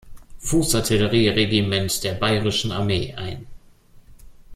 Fußartillerie-Regiment der Bayerischen Armee ein.